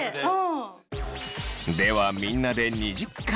ではみんなで２０回！